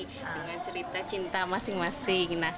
dengan cerita cinta masing masing